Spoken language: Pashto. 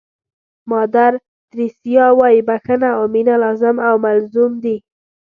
مادر تریسیا وایي بښنه او مینه لازم او ملزوم دي.